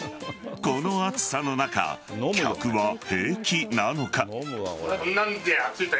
この暑さの中客は平気なのか。